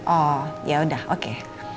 oh yaudah oke